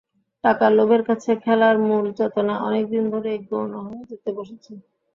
টাকার লোভের কাছে খেলার মূল চেতনা অনেক দিন ধরেই গৌণ হয়ে যেতে বসেছে।